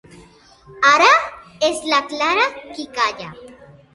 Ara és la Clara qui calla.